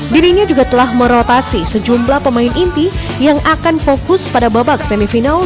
dirinya juga telah merotasi sejumlah pemain inti yang akan fokus pada babak semifinal